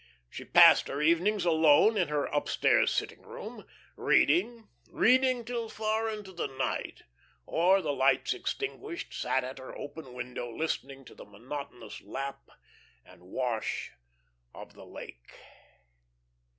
She passed her evenings alone in her "upstairs sitting room," reading, reading till far into the night, or, the lights extinguished, sat at her open window listening to the monotonous lap and wash of the lake.